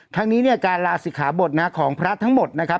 ทั้งนี้เนี่ยการลาศิกขาบทนะของพระทั้งหมดนะครับ